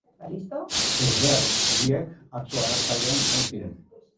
Ezbehar biak atzo arratsaldean izan ziren.